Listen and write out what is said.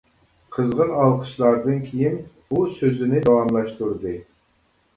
قىزغىن ئالقىشلاردىن كىيىن ئۇ سۆزىنى داۋاملاشتۇردى.